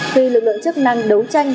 khi lực lượng chức năng đấu tranh